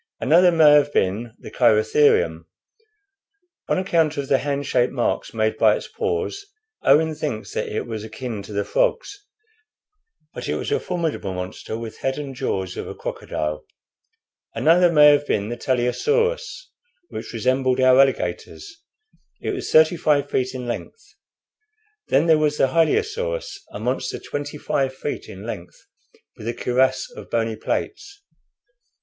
Another may have been the Cheirotherium. On account of the hand shaped marks made by its paws, Owen thinks that it was akin to the frogs; but it was a formidable monster, with head and jaws of a crocodile. Another may have been the Teleosaurus, which resembled our alligators. It was thirty five feet in length. Then there was the Hylaeosaurus, a monster twenty five feet in length, with a cuirass of bony plates."